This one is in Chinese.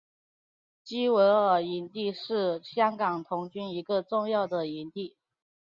基维尔营地是香港童军一个重要的营地。